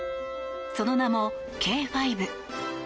その名も、Ｋ５。